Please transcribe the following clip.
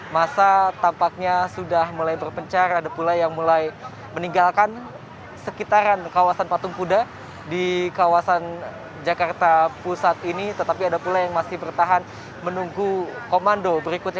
masa tampaknya sudah mulai berpencar ada pula yang mulai meninggalkan sekitaran kawasan patung kuda di kawasan jakarta pusat ini tetapi ada pula yang masih bertahan menunggu komando berikutnya